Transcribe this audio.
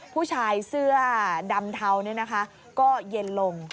ผู้ชายเสื้อดำเทาก็เย็นลง